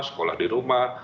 sekolah di rumah